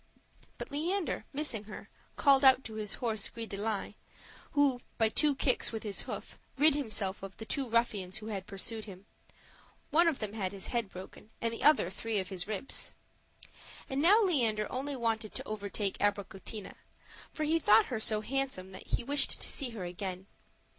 But Leander, missing her, called out to his horse Gris de line; who, by two kicks with his hoof, rid himself of the two ruffians who had pursued him: one of them had his head broken and the other three of his ribs. And now Leander only wanted to overtake Abricotina; for he thought her so handsome that he wished to see her again.